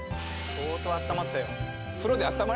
相当あったまったよ。